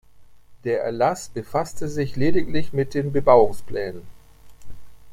Der Erlass befasste sich lediglich mit den Bebauungsplänen.